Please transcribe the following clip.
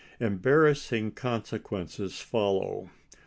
Embarrassing consequences follow.